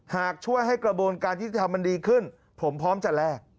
หากช่วยให้กระบวนการยุทธิธรรมมันดีขึ้นผมพร้อมจะแลก